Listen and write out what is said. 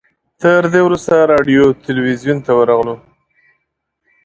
تر دې وروسته راډیو تلویزیون ته ورغلو.